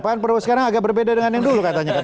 pak prabowo sekarang agak berbeda dengan yang dulu katanya